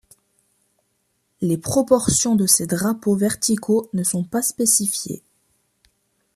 Les proportions de ces drapeaux verticaux ne sont pas spécifiées.